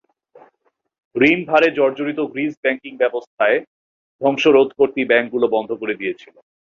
ঋণভারে জর্জরিত Greece banking ব্যবস্থায় ধ্বংস রোধ করতেই ব্যাংকগুলো বন্ধ করে দিয়েছিল।